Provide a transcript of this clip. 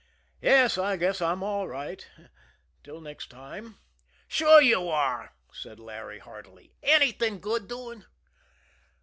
Yes; I guess I'm all right till next time." "Sure, you are!" said Larry heartily. "Anything good doing?"